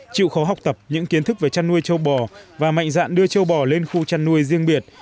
chịu khó học tập những kiến thức về chăn nuôi châu bò và mạnh dạn đưa châu bò lên khu chăn nuôi riêng biệt